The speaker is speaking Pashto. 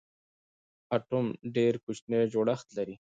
اټوم ډېر کوچنی جوړښت لري.